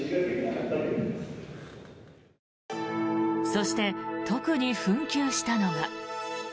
そして、特に紛糾したのが。